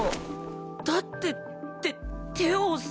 だってて手をさ！